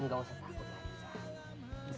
enggak usah takut lagi anissa